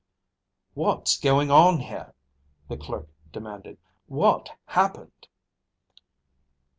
"What's going on here?" the clerk demanded. "What happened?"